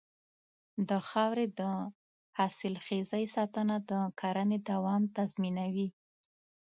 د خاورې د حاصلخېزۍ ساتنه د کرنې دوام تضمینوي.